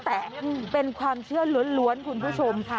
แต่เป็นความเชื่อล้วนคุณผู้ชมค่ะ